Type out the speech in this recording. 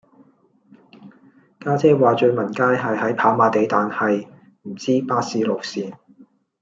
家姐話聚文街係喺跑馬地但係唔知巴士路線